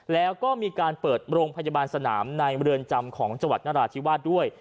แล้วก็มีการเปิดโรงพยาบาลสนามในเรือนจำของจังหวัดนราธิวาสด้วย